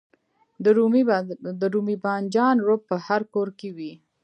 د رومي بانجان رب په هر کور کې وي.